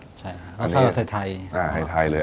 เราใช้เสไทย